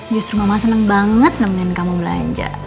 justru mama seneng banget nemenin kamu belanja